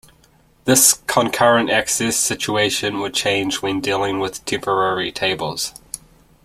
This concurrent access situation would change when dealing with temporary tables.